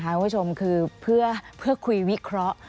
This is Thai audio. การเลือกตั้งครั้งนี้แน่